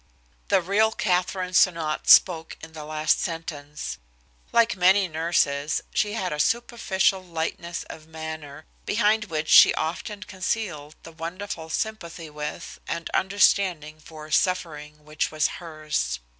The real Katherine Sonnot spoke in the last sentence. Like many nurses, she had a superficial lightness of manner, behind which she often concealed the wonderful sympathy with and understanding for suffering which was hers.